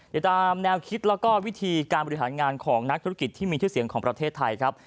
ติดตามแนวคิดแล้วก็วิธีการบริหารงานของนักธุรกิจที่มีชื่อเสียงของประเทศไทยครับ